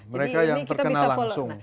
mereka yang terkenal langsung